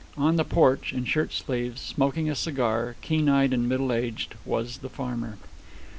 On the porch, in shirt sleeves, smoking a cigar, keen eyed and middle aged, was the farmer.